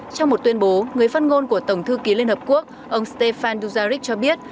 trong một tuyên bố người phát ngôn của tổng thư ký liên hợp quốc ông stefan duzarik cho biết